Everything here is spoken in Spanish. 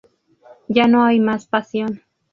Ya no hay más pasión.